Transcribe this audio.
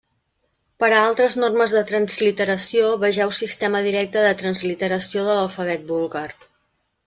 Per a altres normes de transliteració vegeu sistema directe de transliteració de l'alfabet búlgar.